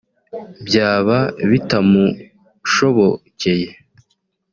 byaba bitamushobokeye